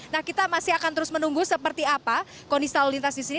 nah kita masih akan terus menunggu seperti apa kondisi lalu lintas di sini